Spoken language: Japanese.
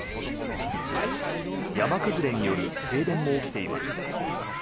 山崩れによる停電も起きています。